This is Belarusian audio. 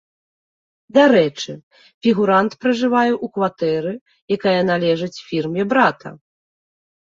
Дарэчы, фігурант пражывае ў кватэры, якая належыць фірме брата.